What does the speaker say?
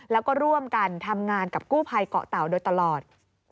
แล้วก็ร่วมกันทำงานกับกู้ภัยเกาะเต่าโดยตลอด